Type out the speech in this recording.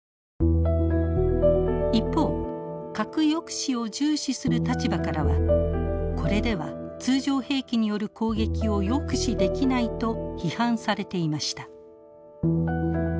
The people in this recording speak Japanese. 一方核抑止を重視する立場からはこれでは通常兵器による攻撃を抑止できないと批判されていました。